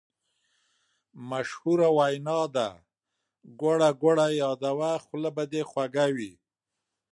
مشهوره وینا ده: ګوړه ګوړه یاده وه خوله به دې خوږه وي.